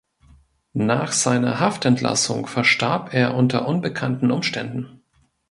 Nach seiner Haftentlassung verstarb er unter unbekannten Umständen.